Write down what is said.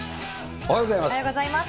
おはようございます。